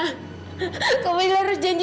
kak fadil harus janji